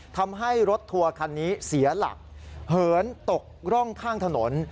ทำให้รถทัวร์คันนี้เสียหลักเหินตกร่องข้างถนน